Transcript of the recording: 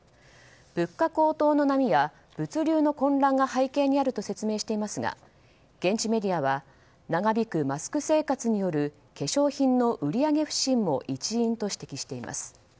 物価高騰の波や物流の混乱が背景にあると説明していますが現地メディアは長引くマスク生活による化粧品の売り上げ不振も一因と指摘しています。